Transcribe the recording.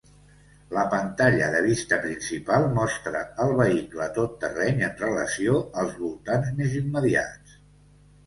La pantalla de vista principal mostra el vehicle tot terreny en relació als voltants més immediats.